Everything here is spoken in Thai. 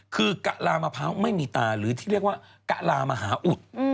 คือกะลามะพร้าวไม่มีตาหรือที่เรียกว่ากะลามหาอุด